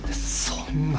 そんな！